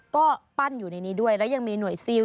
ก็ปั้นอยู่ในนี้ด้วยแล้วยังมีหน่วยซิล